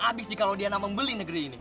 dan abis dikalau diana membeli negeri ini